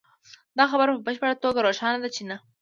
دا خبره په بشپړه توګه روښانه ده چې نه